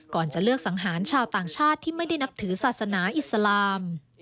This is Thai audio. จะเลือกสังหารชาวต่างชาติที่ไม่ได้นับถือศาสนาอิสลาม